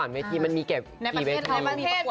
ในประเทศมีสกเวทดีนำแล้ว